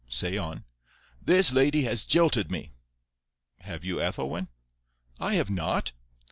"Say on." "This lady has jilted me." "Have you, Ethelwyn?" "I have not."